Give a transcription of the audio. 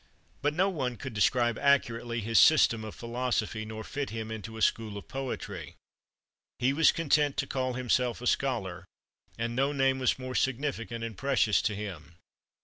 But no one could describe accurately his "system" of philosophy, nor fit him into a "school" of poetry. He was content to call himself a scholar, and no name was more significant and precious to him.